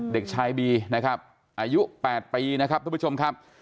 เด็กชายบีนะครับอายุ๘ปีนะครับทุกผู้ชมครับ